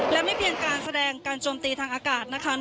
และไม่เพียงการแสดงการโจมตีทางอากาศนะคะ